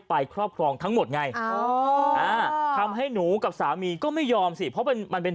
ครอบครองทั้งหมดไงทำให้หนูกับสามีก็ไม่ยอมสิเพราะมันมันเป็น